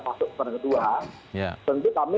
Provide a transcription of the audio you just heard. masuk ke penegak kedua tentu kami